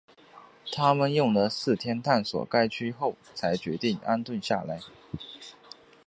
他们用了四天探索该区后才决定安顿下来。